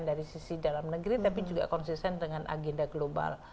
dari sisi dalam negeri tapi juga konsisten dengan agenda global